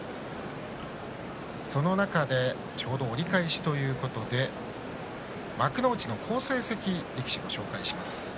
その中で、ちょうど折り返しということで幕内の好成績力士をご紹介します。